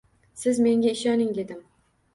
Siz menga ishoning, dedim.